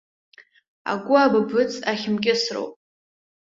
Агәы абыбыц ахьымкьысроуп.